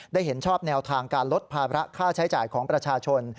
เห็นชอบแนวทางการลดภาระค่าใช้จ่ายของประชาชน